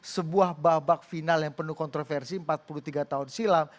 sebuah babak final yang penuh kontroversi empat puluh tiga tahun silam